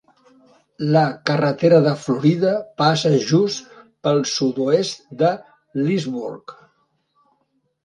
La carretera de Florida passa just pel sud-oest de Leesburg.